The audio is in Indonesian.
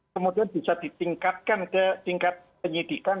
kemudian bisa ditingkatkan ke tingkat penyidikan